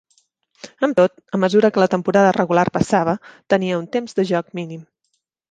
Amb tot, a mesura que la temporada regular passava, tenia un temps de joc mínim.